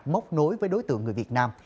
móc nối với đối tượng người việt nam